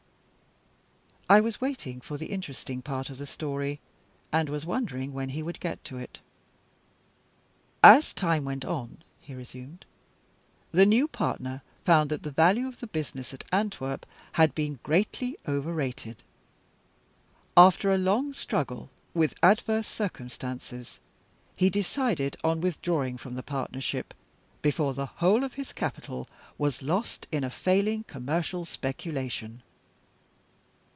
I was waiting for the interesting part of the story, and was wondering when he would get to it. "As time went on," he resumed, "the new partner found that the value of the business at Antwerp had been greatly overrated. After a long struggle with adverse circumstances, he decided on withdrawing from the partnership before the whole of his capital was lost in a failing commercial speculation.